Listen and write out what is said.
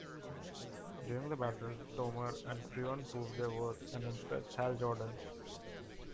During the battle Tomar and Kreon proved their worth and impressed Hal Jordan.